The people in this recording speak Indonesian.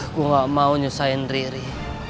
aku gak mau nyusahin diri